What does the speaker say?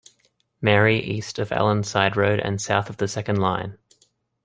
Marie east of Allen's Side Road and south of the Second Line.